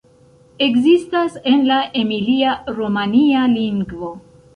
Ekzistas en la emilia-romanja lingvo.